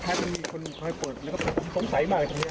มันคล้ายมีคนคล้ายปวดแล้วก็ต้มใสมากเลยตรงเนี่ย